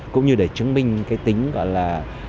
cũng như để chứng minh cái tính gọi là